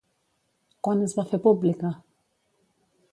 Quan es va fer pública?